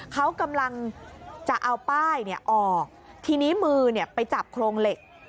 เขากำลังจะเอาป้ายออกทีนี้มือไปจับโครงเหล็ก